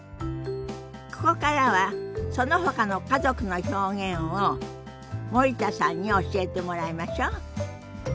ここからはそのほかの家族の表現を森田さんに教えてもらいましょ。